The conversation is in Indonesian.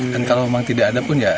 dan kalau memang tidak ada pun ya